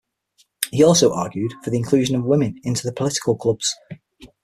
He also argued for the inclusion of women into the political clubs.